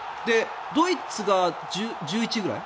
ドイツが１１位ぐらい？